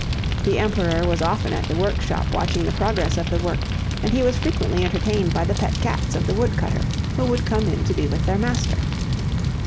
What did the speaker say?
The Emperor was often at the workshop watching the progress of the work and he was frequently entertained by the pet cats of the wood cutter who would come in to be with their master.